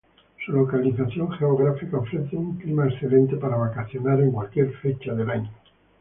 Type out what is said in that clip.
Su localización geográfica ofrece un clima excelente para vacacionar en cualquier fecha del año.